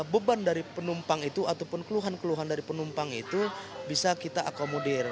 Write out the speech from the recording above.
beban dari penumpang itu ataupun keluhan keluhan dari penumpang itu bisa kita akomodir